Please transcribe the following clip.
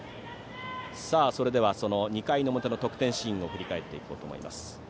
それでは２回表の得点シーン振り返っていこうと思います。